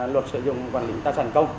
luật sử dụng quản lý tài sản công